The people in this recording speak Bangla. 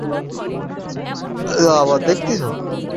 কিন্তু এসব ব্যবস্থা যথেষ্ট নয়।